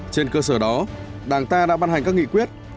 trên cơ sở đó đảng ta đã ban hành các nghị quyết